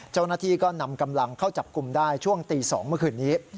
เจ้าหน้าที่ก็นำกำลังเข้าจับกลุ่มได้ช่วงตี๒เมื่อคืนนี้